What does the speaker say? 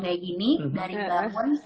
kayak gini dari barbun